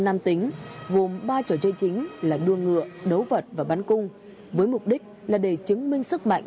nam tính gồm ba trò chơi chính là đua ngựa đấu vật và bắn cung với mục đích là để chứng minh sức mạnh